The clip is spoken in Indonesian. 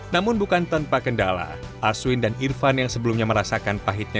namun bukan tanpa kendala aswin dan irfan yang sebelumnya merasakan pahitnya